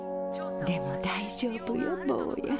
でも大丈夫よ坊や。